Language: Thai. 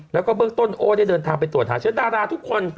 แล้วก็เบื้องต้นโอ้ได้เดินทางไปตรวจหาเชื้อดาราทุกคน